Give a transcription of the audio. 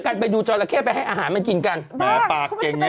ก็จะคิดมันเขียนอย่างนี้